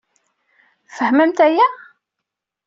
Fehment aya?